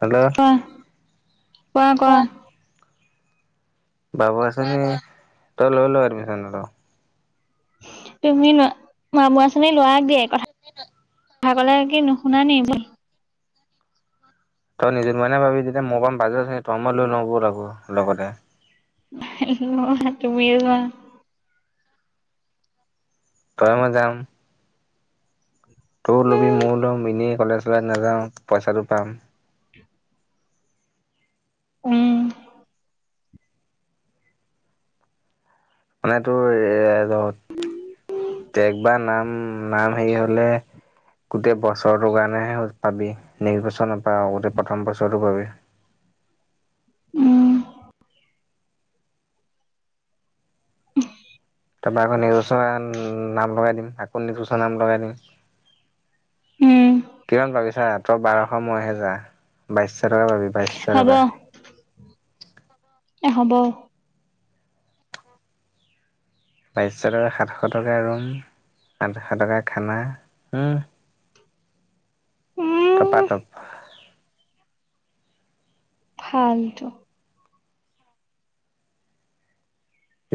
Hello কোৱা কোৱা কোৱা। বাবু আছেনে? তই লৈ ল এডমিছন টো তুমি ম বাবু আঁচনি লৰাক দিয়ে। কথালে কি নুশুনা নি? তই নিজৰ মইে ভাবি যেতিয়া মই পাম বাজাৰতি তই মই লৈ লব লাগো লগতে। লোৱা তুমিয়ে লোৱা। তই মই যাম। তয়ো ল'বি মইয়ো ল'ম এনেই ক'লেজ। ত নাযাওঁ পইচাটো পাম উম উম মানে তোৰ এ নাম নাম হেৰি হলে। গোটেই বছৰটোৰ কাৰণেহে পাবি নেক্স বছৰ নাপাৱ গোটেই প্ৰথম বছৰটো পাবি উম। তাৰপৰা আকৌ নিচমান নাম।। লগাই দিম আাকৌ নিকুচা নাম লগাই দিম। উম কিমান পাবি ছা মাত্ৰ বাৰশ ন হেজাৰ বাইশশ টকা পাবি বাইশশ হ'ব টকা। হ'ব। বাইছশ টকা, সাতশ টকা ৰুম, আঠশ টকা খানা, । উম টপা টপ। ফাল্টু।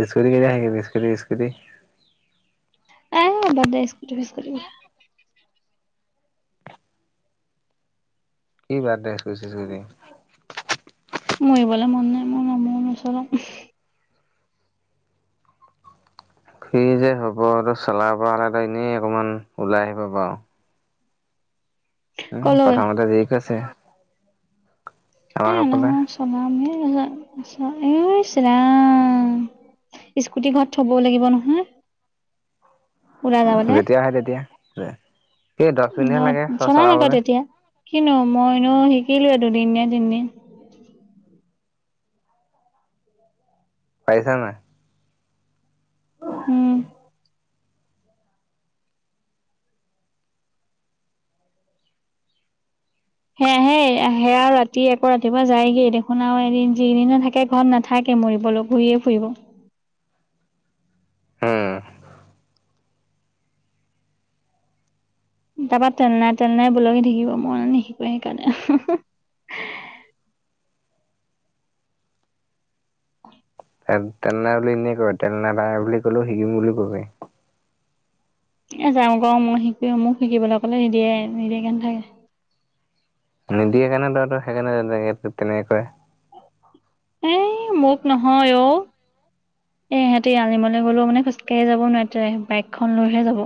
ইছকুটি কেতিয়া আনিবি ইছকুটি, ইছকুটি আহ বাদ দে ইস্কুটি চিস্কুটি কি বাদদে চজিছি [unintelligible] মৰিবলৈ মন নাই মোৰ ন, মই নচলাওঁ কি যে হ'ব, আৰু চলাবলে এনেই অকনমান ওলাই আহিব পাৰ। উম কলৈ প্ৰথমতে ঠিক আছে। এ নহয় চলাম এই চা স্কুটি ঘৰত থবওঁ লাগিব নহয় ওলাই যাবলে যেতিয়া আহে তেতিয়া স দহ মিনিটহে লাগে চ চলাম আকৌ চলাবলে তেতিয়া কিনো মইনো শিকিলো দুনিন নে তিনদিন। পাইছা নে। উম। সেয়াহে সেয়া ৰাতি আকৌ ৰাতিপুৱা যায়গেই দেখোন আৰু এদিন যিদিনা থাকে ঘৰত নাথাকে মৰিবলৈ ঘূৰিয়ে ফুৰিব। হম। তাৰাপৰা চেননাই তেননাই বলকি থাকিব মই নিশিক সেইকাৰণে তেলনাই বুলি এনে কয় তেল নাই বুলি কলেওঁ শিকিম বুলি কবি এ যাওঁ ক মই শিকো মোক শিকিবলৈ কলে নিদিয়ে নিদিয়ে কে থাক নিদিয়েকাৰণে তৰা সেইকাৰণে তেনেকে কই এ মোক নহয় অঔ এ সিহঁতি আনিবলৈ গলেওঁ মানে খোজকাঢ়ি যাব নোৱাৰি বাইকখন লৈহে যাব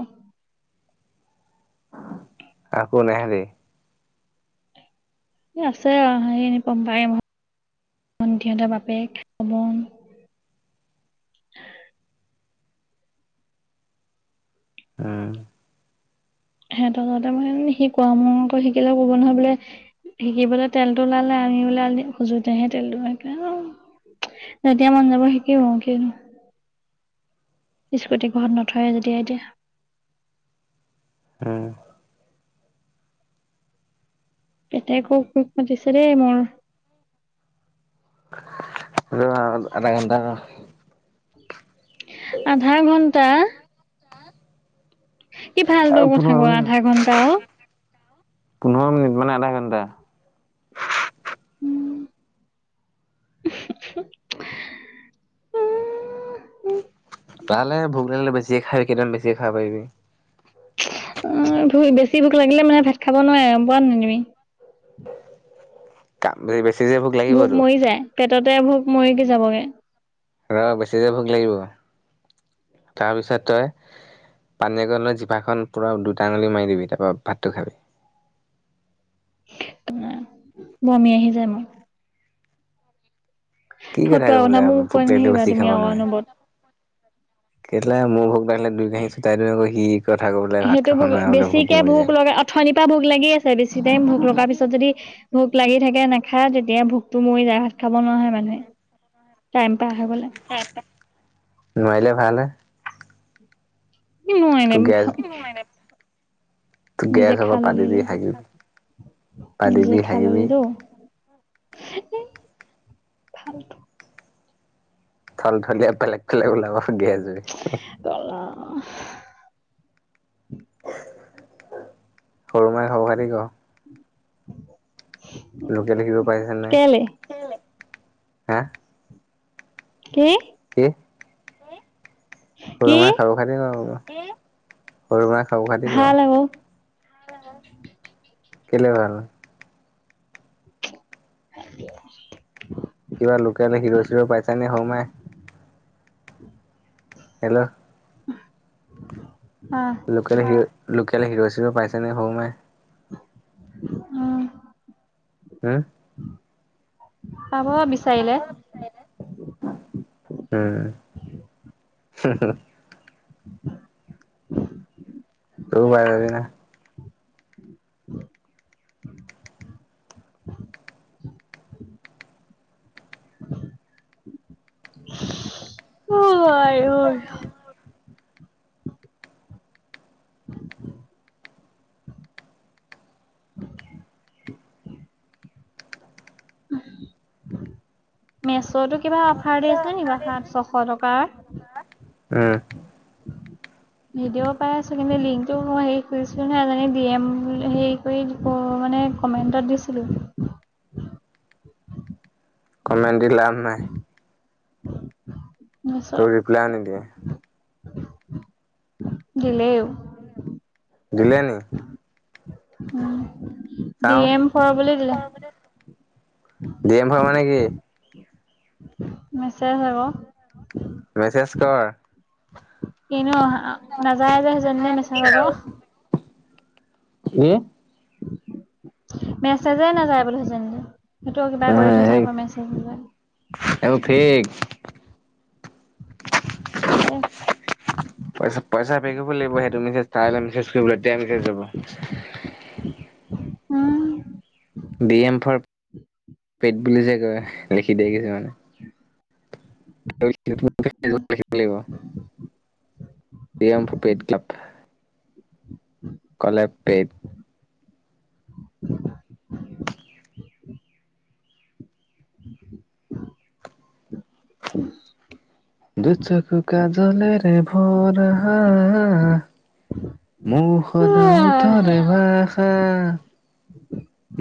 আকৌ নাহে নি আছে হে এ পম পায় সিহঁতে বাপেকমন [unintelligible] উম সিহঁতৰ ততে মই শিকোৱা মোৰ আকৌ শিকিলেও কব নহয় বোলে শিকিবলে তেলটো ওলালে আনি বোলে খুজোতেহে তেলটো শিকে অ তেতিয়া মন যাব শিকো কো স্কুটি ঘৰত নথয় যেতিয়া এতিয়া। হুম। কেতে কুোক কুোক মাতিছে দেই মোৰ। আধা ঘণ্টা। আধা ঘণ্টা। আৰু পোন্ধৰ আধা মিনিট ঘন্টা অ পোন্ধৰ মিনিট মানে আধা ঘন্টা। উম উম। তালে ভোক লাগিলে বেছিয়ে খাবি কেইদিন বেছিয়ে খাব পাৰিবি। অ ভ বেছি ভোক লাগিলে মানে ভাত খাব নোৱাৰে পোবা নাই তুমি। কাম বে। ভোক মৰি যায়। পেটতে ভোক মৰি কি যাবগে। ৰ বেছি যে ভোক লাগিব তাৰপিছত তই পানীয়ে অকণ লৈ জিভা খন পুৰা দুটাঙুলি মাৰি দিবি তাৰপৰা ভাতটো খাবি। বমি আহি যায় মোৰ। কি ফতুৱা কথা ক'বলে মোক ভোক কৈ লাগিলে নাথাকিবা বেছি তুমি খাব আকৌ নোৱাৰে। অনুবত। কেলে মোৰ ভ। ভাত সেইটো খাব ভোক নোৱাৰে বোলে বেছিকে মৰি ভোক যায়। লগা অথনিৰ পৰা ভোক লাগি আছে বেছি টাইম ভোক লগা লাগি পিছত আছে। যদি ভোক লাগি থাকে ন। খা তেতিয়া ভোকতো মৰি যায় ভাত খাব নহয় মানে। নোৱাৰিলে ভাল। নয়নে? ত গেছ হলে পাদিবি হাগিবি পাদিবি হাগিবি ফাল্টু। থল থলীয়া। ফেলেগ ফেলেগ ওলাবগে জুই। অঁ। সৰু মাই খবৰ খাতি ক? লোকেল দেখিব পাইছে নে? কেলে হা। কি? কি? কি সৰুমাই খবৰ খাটি ক অকমান? কি? সৰুমাই খবৰ খাতি ভাল আকৌ ক? কেলে ভাল। হে? কিবা লোকেল হিৰ' চিৰ' পাইছা নে সৰু মাই উম। হেল্ল'। [inaudible] লোকেল হিৰ, লোকেল হিৰ-চিৰ পাইছে নে সৰু মাই? আহ, হা? [inaudible] পাব বিচাৰিলে। হা, হেহা। তোও পাই যাবি না? উ, আইঐ [inaudible] মেচতো কিবা অফাৰ দিছে নি বা সাত -ছশ টকাৰ? আ, ভিডিঅ' পাই আছো কিন্তু লিংকটো মই হেই কৰিছো নহয়, এজনী ডি- এম হে কৰি মানে কমেন্টত দিছিলো। কমেণ্ট দি লাভ নাই। তাৰপিছত তোৰ ৰিপ্লাই নিদিয়ে। দিলেও। দিলে নে? অহ, ডি -এম ফৰ বোলি দিলে। ডি এম ভৰাব নে কি? মেছেজ আকৌ। মেছেজ কৰ। এনেও আহা, নাযায় যে সেইজনীলে মেচেজ আকৌ। কি? মেচেজে নাযায়। চাই পেলাই থৈছে নেকি সেইটো কিবা এ কৰি থৈছে সেই সপাই মেছেজ এইবোৰ নাযায়। ফেক তাকে পইচা -পইচা পে কৰিব লাগিব সেইটো মিছেজ তাইলে মিছেজ কৰিবলে, তেতিয়াই মিছেজ যাব। উম, ডি-এমফৰ পেড বুলি যে কয় লিখি দিয়ে কিছু মানে। [unintelligible] D - M- for paid club. কলেপ পেইড। [inaudible] উম। দুচকু কাজলেৰে ভৰা হা, আ, আ, আ মৌ সদা ওঁঠৰে ভাষা।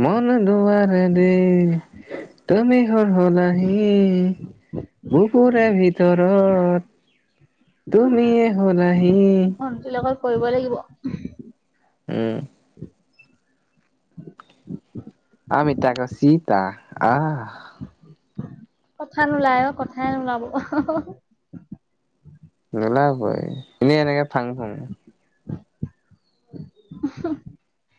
মন দুৱাৰে দি তুমি সৰ হলাহি বুকুৰে ভিতৰত, তুমিয়ে হলাহি। হি। কৰিব লাগিব। উম! আমি তাক চীতা আহ- কথা নোলায় অঁ কথাই নোলাব নিলাবই এনেই এনেকে থাং ফং উম -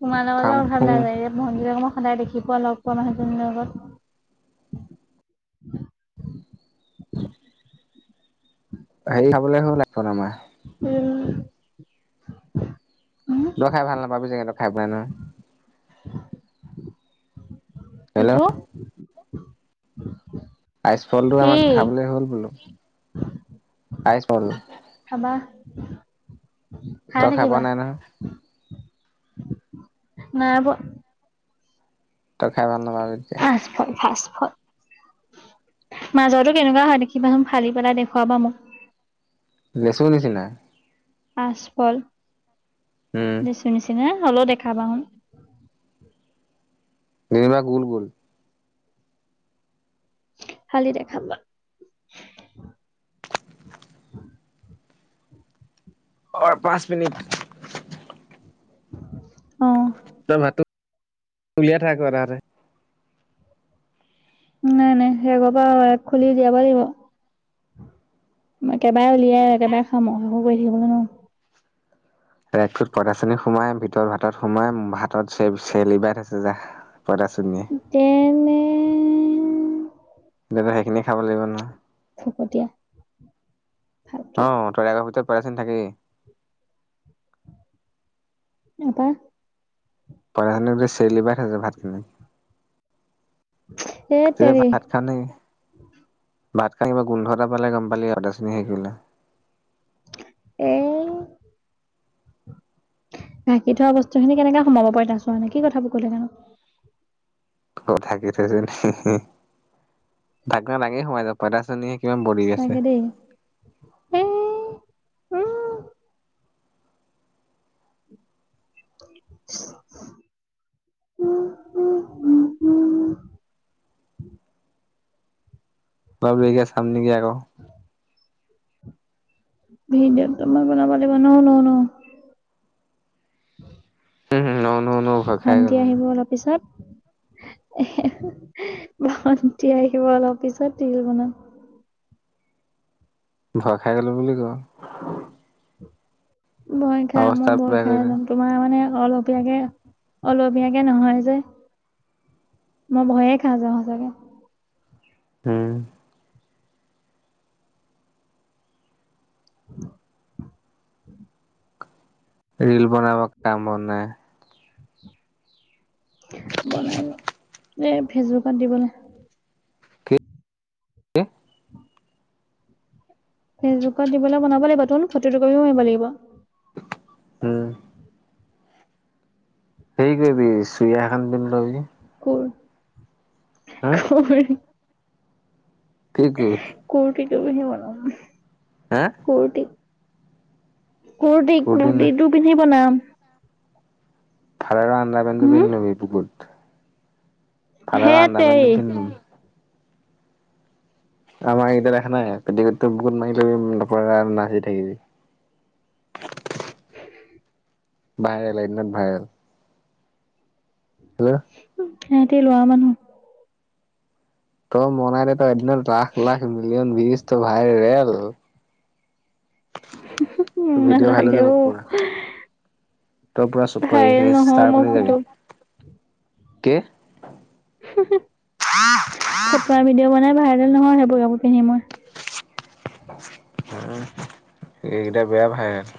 তোমাল ম ফাং ওঘাল ল ফুং যায়ে মন্দিৰ ম সদায় দেখি পোৱা লগ পোৱা নহয়জনীৰ লগত [unintelligible] হেৰি খাবলৈ হ'ল আ আমাৰ উম তই খাই ভাল নাপাবি জেগ তো খাই পেলাই নহয়। হেল্ল' কিটো আইচ ফলটো কি আমাক খাবলৈ হ'ল বোলো আইচফল? খাবা । তই খাই পোৱা নাই নহয় নাই পোৱা। তই খাই ভাল নাপাব তেতিয়া মাজতো কেনেকুৱা হয় দেখিবাচোন ফালি পেলাই দেখুৱাবা মোক লেচু নিচিনা আচকল উম লেচীৰ নিচিনা হলেও দেখাবা নিমা গুল গুল কালি দেখাবা অঁ পাঁচ মিনিট। অঁ! তই ভাত উলিয়াই থাক আকৌ এ হতে নাই নাই সেই পৰা খুলি দিয়াব লাগিব কবাৰে উলিয়াই কবাৰে খাম শেষো কৰি থাকিবলৈ ন। এক পঁইতাচনী সোমাই ভিতৰত ভাতত সোমাই ভাতত চ চেলিবাই থ আছে যা পঁইতাসুনি তেনে দ সেইখিনি খাব লাগিব ন। ফকতীয়া ফালতু অঁ তই আক ভিতত থাকেই নাপাওঁ চুনী চেলিবাই থইছে ভাত খিনি এই তিয়া তেৰি ভাত খাও নি ভাত খিনি কিবা গোন্ধ এটা পালে গম পালি অঁ পঁইতাচুনী শিকলে এ। ঢাকি থোৱা বস্তু খিনি কেনেকে সোমাব পাৰি পঁইতাচুনী কি কথাবোৰ ক'লে জানো। ক ঢাকি থৈছ নি? ঢাকনা ক দাঙি সোমাই যাব। পঁইতাচুনী। সঁচাকে দেই সেই। উম। উম উম উম উম উ। বাৰ একয়া চাম নেকি আকৌ। ভিডিয় তই বনাব লাগিব নও ন ন ন ন ন ভয় খাই গ'লো ভন্টি মানে আহিব অলপ পিছত। এ ভণ্টি আহিব অলপ পিছত তিল বনাম। ভয় খাই গলো বুলি কওঁ। ভয় খাই অৱস্থা মই ভই বেয়া খাই কৰি যাম তোমাৰ মানে, অলপীয়াকে অলপীয়াকে নহয় যে মই ভয়ে খা যাও সচাকে। হম। অঁ। ৰীল বনাব কাম ব নাই। বনাগে দে ফেচবুকত দিবলৈ। কি ফেচবুকত দিবলৈ বনাব লাগিবতন ফটো কপিও মাৰিব লাগিব। উম। সেই কৰিবি চুইয়া এখনান পিন্ধি লবি। হা ক? কি ক ক কি। তই হে বনাম। হা কুৰ্তি। কুুৰটি কুৰ্তি নাই কুুৰটিটো পিন্ধি বনাম। ফাদাৰৰ আ্ন্দা পেন হম পিন্ধ লবি বুকুত। ফাদাৰৰ হেত আন্ধাৰ তেৰি পেনটো পিন্ধিম। আমাৰ এইকেইটা দেখা নাই পেটিকোট বুকুত মাৰি লবি নপৰা নাচি থাকিবি। ভাইৰেল এদিনত ভাইৰেল। হেল্ল। সেইটি ল'ৰা মানুহ। ত মনাই দে তই এদিনত লখ লাখ মিলিয়ন বিছটো ভাইৰেল। উ তোৰ ভিডিঅ' ভাইৰেল নলাগে হৈ যাব ও। পুৰা তই পুৰা চুপাৰইচটাৰ সেই মই বনি যাবি। ফটো কে। হো হো। [unintelligible] ফটোৱাৰ ভিডিঅ' বনাই ভাইৰেল নহয় সেইবোৰ কাপোৰ পিন্ধি মই। এইকেইটা বেয়া ভাইৰেল।